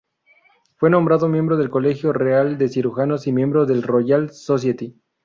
Fue nombrado miembro del Colegio Real de Cirujanos y miembro de la Royal Society.